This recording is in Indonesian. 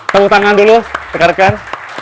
tepuk tangan dulu tekan tekan